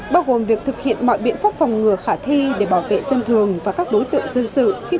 bao gồm việc thực hiện mọi biện pháp phòng ngừa khả thi để bảo vệ dân thường và các đối tượng dân sự